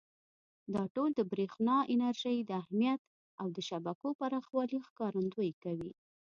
دا ټول د برېښنا انرژۍ د اهمیت او د شبکو پراخوالي ښکارندویي کوي.